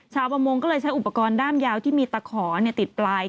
ชาวประมงก็เลยใช้อุปกรณ์ด้ามยาวที่มีตะขอติดปลาย